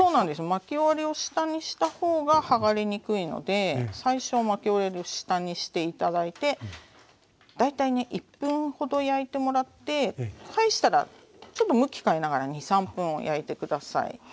巻き終わりを下にした方が剥がれにくいので最初巻き終わりを下にして頂いて大体ね１分ほど焼いてもらって返したらちょっと向き変えながら２３分焼いて下さい。